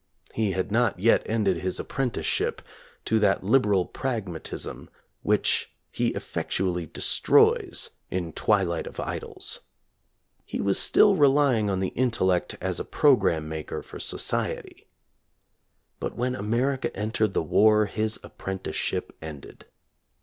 He had not yet ended his apprenticeship to that "liberal pragmatism" which he effectually de stroys in "Twilight of Idols." He was still rely ing on the intellect as a programme maker for so ciety. | But when America entered the war, his ap prenticeship ended.